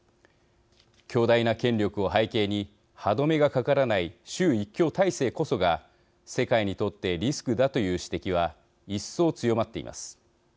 強大な権力を背景に歯止めがかからない習一強体制こそが世界にとってリスクだという指摘は一層強まっています。